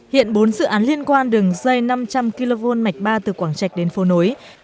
hiện bốn dự án liên quan đường dây năm trăm linh kv mạch ba từ quảng trạch đến phố nối